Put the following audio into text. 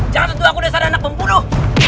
jangan tentu aku desa dan anak pembunuh